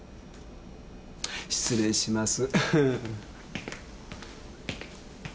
失礼します。